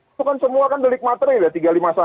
itu kan semua kan delik materi ya